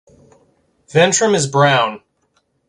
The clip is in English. Ventrum is brown.